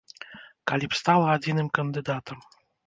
Калі б стала адзіным кандыдатам.